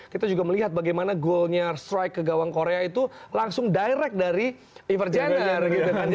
kita juga melihat bagaimana goalnya strike ke gawang korea itu langsung direct dari evergener gitu kan